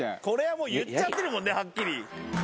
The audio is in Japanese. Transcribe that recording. これはもう言っちゃってるもんねはっきり。